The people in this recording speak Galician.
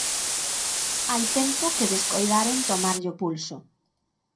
Hai tempo que descoidaron tomarlle o pulso.